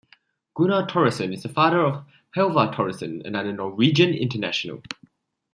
Gunnar Thoresen is the father of Hallvar Thoresen, another Norwegian international.